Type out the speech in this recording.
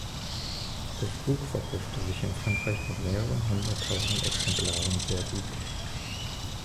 Das Buch verkaufte sich in Frankreich mit mehreren Hunderttausend Exemplaren sehr gut.